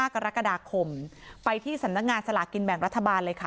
กรกฎาคมไปที่สำนักงานสลากินแบ่งรัฐบาลเลยค่ะ